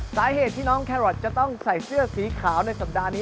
สาเหตุที่น้องแครอทจะต้องใส่เสื้อสีขาวในสัปดาห์นี้